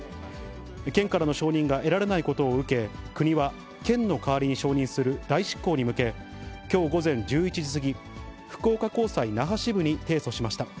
県からの承認が得られないことを受け、国は県の代わりに承認する代執行に向け、きょう午前１１時過ぎ、福岡高裁那覇支部に提訴しました。